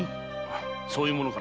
そういうものかな。